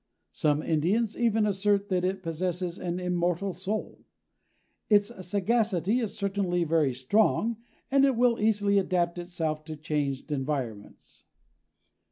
Some Indians even assert that it possesses an immortal soul. Its sagacity is certainly very strong and it will easily adapt itself to changed environments.